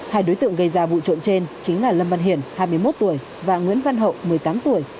hai đối tượng gây ra vụ trộm trên chính là lâm văn hiển hai mươi một tuổi và nguyễn văn hậu một mươi tám tuổi